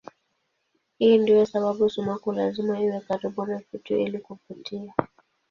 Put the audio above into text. Hii ndiyo sababu sumaku lazima iwe karibu na kitu ili kuvutia.